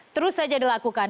terus saja dilakukan